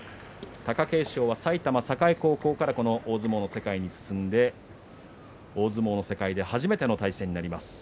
貴景勝は埼玉栄高校からこの大相撲の世界に進んで大相撲の世界で初めての対戦に。